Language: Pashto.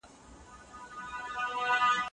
د هر استاد خپله لاره او طریقه وي.